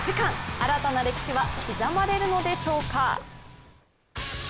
新たな歴史は刻まれるのでしょうか？